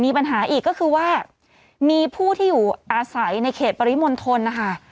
มีปัญหาอีกก็คือว่ามีผู้ที่อยู่อาศัยในเขตปริมณฑลนะคะ